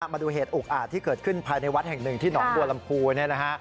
มาดูเหตุอุกอาจที่เกิดขึ้นภายในวัดแห่งหนึ่งที่หนองบัวลำพูเนี่ยนะฮะ